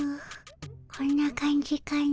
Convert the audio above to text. こんな感じかの？